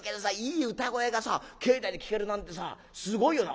いい歌声が境内で聴けるなんてさすごいよな。